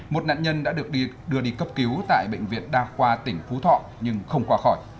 một nạn nhân đã được đưa đi cấp cứu tại bệnh viện đa khoa tỉnh phú thọ nhưng không qua khỏi